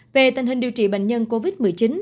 về tình hình điều trị bệnh nhân covid một mươi chín